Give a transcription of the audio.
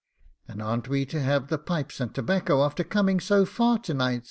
'And aren't we to have the pipes and tobacco, after coming so far to night?